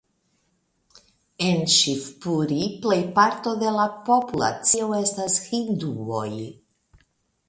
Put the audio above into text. En Ŝivpuri plejparto de la populacio estas hinduoj.